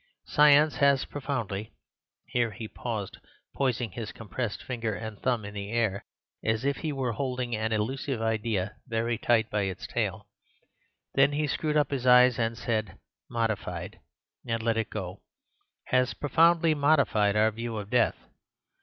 Science has profoundly..." here he paused, poising his compressed finger and thumb in the air as if he were holding an elusive idea very tight by its tail, then he screwed up his eyes and said "modified," and let it go—"has profoundly Modified our view of death.